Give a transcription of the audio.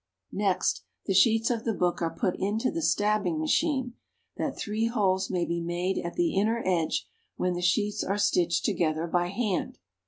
Next, the sheets of the book are put into the stabbing machine, that three holes may be made at the inner edge, when the sheets are stitched together by hand.